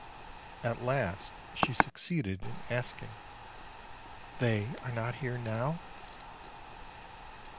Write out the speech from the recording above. At last she succeeded in asking: 'They are not here now?"